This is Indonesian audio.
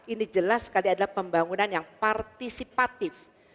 ini jelas sekali adalah pembangunan yang partisipatif